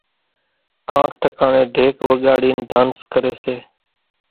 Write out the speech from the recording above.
ڪانڪ ٺڪاڻين ڍيڪ وڳاڙينَ ڍانس ڪريَ سي۔